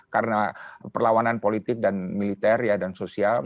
karena perlawanan politik dan militer dan sosial